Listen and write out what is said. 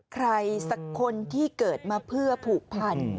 ใครสักคนที่เกิดมาเพื่อผูกพัน